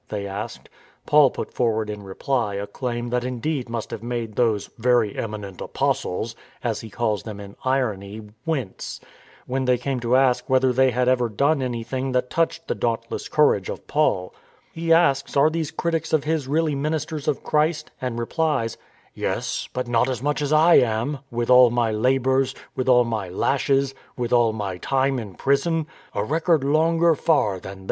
they asked, Paul put forward in reply a claim that indeed must have made those " very eminent apostles " (as he calls them in irony) ^ wince, when they came to ask whether they had ever done anything that touched the dauntless courage of Paul. He asks are these critics of his really ministers of Christ, and replies :" Yes, but not as much as I am, with all my labours, with all my lashes, with all my time in prison — a record longer far than theirs. *2 Cor. xii. II R. V. margin, cf. xi. 13.